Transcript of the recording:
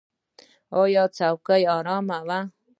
ایا څوکۍ ارامه وه؟